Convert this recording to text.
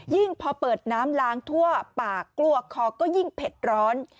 พอเปิดน้ำล้างทั่วปากกลัวคอก็ยิ่งเผ็ดร้อน